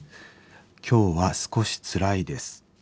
今日は少しつらいです。